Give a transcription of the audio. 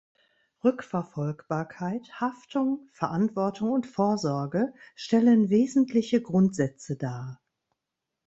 Rückverfolgbarkeit, Haftung, Verantwortung und Vorsorge stellen wesentliche Grundsätze dar.